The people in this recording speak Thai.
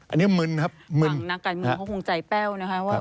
อันนี้มึนครับมึนบางนักการมือเขาคงใจเป้า